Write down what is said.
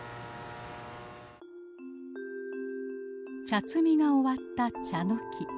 茶摘みが終わったチャノキ。